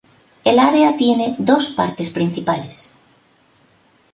El área tiene dos partes principales.